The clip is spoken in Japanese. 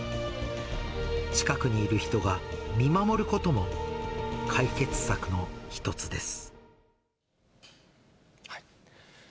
近くにいる人が見守ることも解決高尾山です。